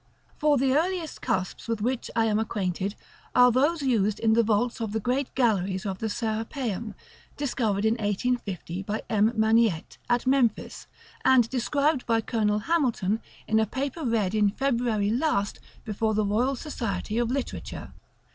For the earliest cusps with which I am acquainted are those used in the vaults of the great galleries of the Serapeum, discovered in 1850 by M. Maniette at Memphis, and described by Colonel Hamilton in a paper read in February last before the Royal Society of Literature.